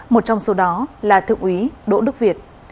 một trong số đó là thượng úy đỗ đức việt